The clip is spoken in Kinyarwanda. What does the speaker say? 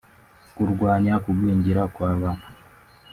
kurwanya kugwingira kw’abana